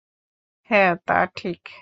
হ্যাঁ, তা ঠিক।